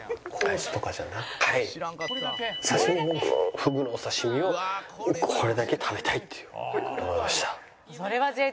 ふぐのお刺し身をこれだけ食べたいって思いました。